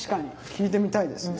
聞いてみたいですね。